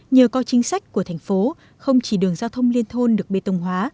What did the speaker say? nhờ coi chính sách của thành phố không chỉ đường giao thông liên thôn được bê tông hóa